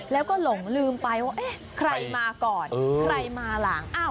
แล้วก็หลงลืมไปว่าเอ๊ะใครมาก่อนใครมาหลัง